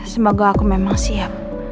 semoga aku memang siap